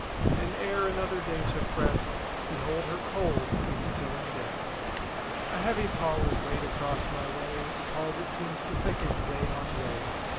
And e'er another day took breath— Behold her cold and still in death. A heavy pall is laid across my way. A pall that seems to thicken, day on day.